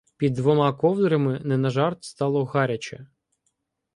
Під двома ковдрами не на жарт стало гаряче.